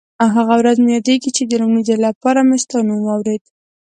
هغه ورځ مې یادېږي چې د لومړي ځل لپاره مې ستا نوم واورېد.